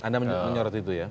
anda menyorot itu ya